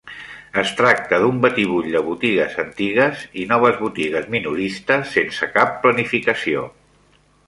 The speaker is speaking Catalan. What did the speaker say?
Es tracta d'un batibull de botigues antigues i noves botigues minoristes sense cap planificació.